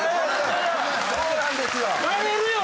そうなんですよ。